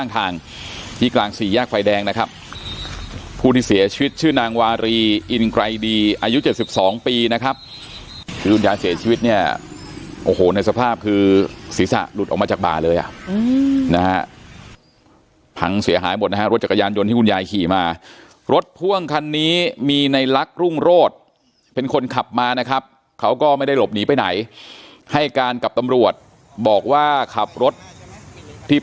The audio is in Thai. ทางที่กลางสี่แยกไฟแดงนะครับผู้ที่เสียชีวิตชื่อนางวารีอินไกรดีอายุ๗๒ปีนะครับคือคุณยายเสียชีวิตเนี่ยโอ้โหในสภาพคือศีรษะหลุดออกมาจากบ่าเลยอ่ะนะฮะพังเสียหายหมดนะฮะรถจักรยานยนต์ที่คุณยายขี่มารถพ่วงคันนี้มีในลักษรุ่งโรธเป็นคนขับมานะครับเขาก็ไม่ได้หลบหนีไปไหนให้การกับตำรวจบอกว่าขับรถที่